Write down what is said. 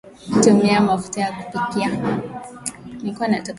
tumia mafuta ya kupikia